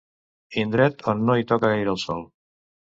Indret on no hi toca gaire el sol.